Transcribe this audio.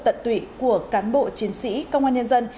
tận tụy của cán bộ chiến sĩ công an nhân dân